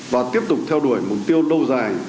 và tiếp tục theo đuổi mục tiêu lâu dài